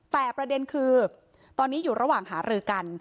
แต่ประเด็นคือตอนนี้อยู่ระหว่างหารือกัน